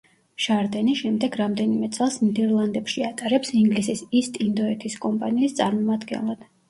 შარდენი შემდეგ რამდენიმე წელს ნიდერლანდებში ატარებს ინგლისის ისტ ინდოეთის კომპანიის წარმომადგენლად.